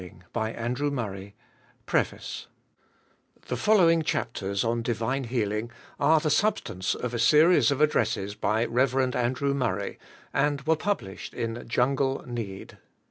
Sill |■:■■ i i PREFACE The following chapters on divine head ing are the substance of a serine of ad dreftseg by Rev. Andrew Murray and were published in Jungle Need.